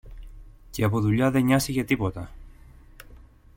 και από δουλειά δε νοιάστηκε τίποτα